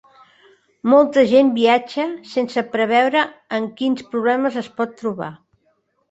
Molta gent viatja sense preveure amb quins problemes es pot trobar.